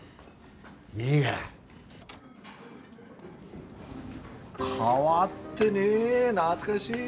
いいがら。変わってねえ懐かしい！